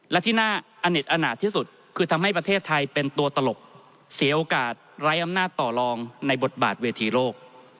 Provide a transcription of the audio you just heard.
และที่น่าอเน็ตอนาจที่สุดคือทำให้ประเทศไทยเป็นตัวตลกเสียโอกาสไร้อำนาจต่อรองในบทบาทเวทีโลก